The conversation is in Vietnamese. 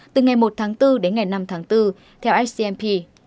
từ ngày một tháng bốn đến ngày năm tháng bốn theo scmp